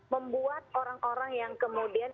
membuat orang orang yang kemudian